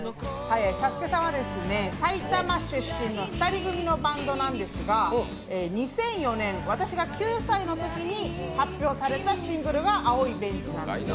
サスケさんは埼玉出身の２人組のバンドなんですが２００４年、私が９歳のときに発表されたシングルが「青いベンチ」なんです。